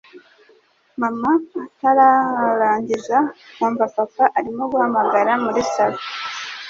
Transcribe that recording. mama atararangiza twumva papa arimo guhamagara muri salon